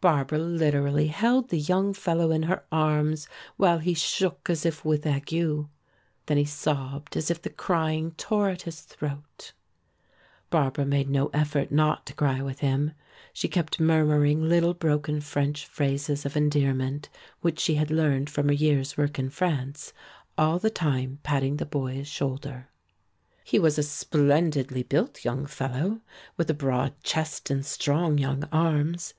Barbara literally held the young fellow in her arms while he shook as if with ague. Then he sobbed as if the crying tore at his throat. Barbara made no effort not to cry with him. She kept murmuring little broken French phrases of endearment which she had learned from her year's work in France, all the time patting the boy's shoulder. He was a splendidly built young fellow with a broad chest and strong young arms.